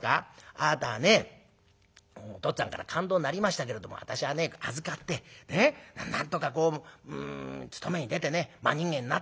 あなたねお父っつぁんから勘当になりましたけれども私はね預かってなんとかこう勤めに出てね真人間になった。